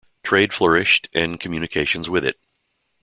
Trade flourished, and communications with it.